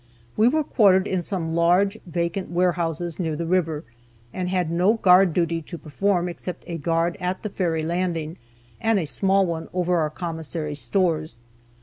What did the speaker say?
We were quartered in some large vacant warehouses near the river, and had no guard duty to perform except a guard at the ferry landing, and a small one over our commissary stores.